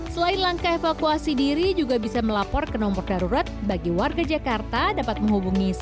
selain langkah evakuasi diri juga bisa melapor ke nomor darurat bagi warga jakarta dapat menghubungi satu ratus dua belas